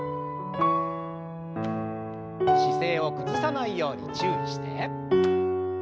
姿勢を崩さないように注意して。